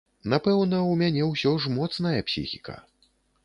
Напэўна, у мяне ўсё ж моцная псіхіка.